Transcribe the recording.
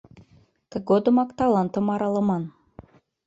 Тыгодымак талантым аралыман.